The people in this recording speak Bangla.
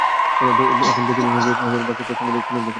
প্রথম তিন দিন এখনো অনেক দিন বাকি ভেবে প্রশ্ন খুলেও দেখিনি।